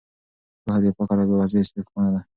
پوهه د فقر او بې وزلۍ دښمنه ده.